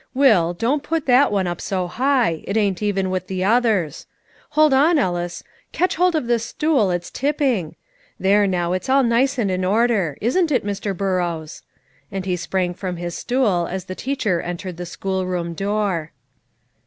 Will, don't put that one up so high, it ain't even with the others. Hold on, Ellis, catch hold of this stool, it's tipping. There, now, it's all nice and in order, isn't it, Mr. Burrows?" And he sprang from his stool, as their teacher entered the schoolroom door.